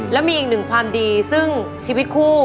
และมีอีกหนึ่งความดีซึ่งชีวิตคู่